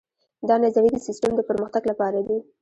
دا نظریې د سیسټم د پرمختګ لپاره دي.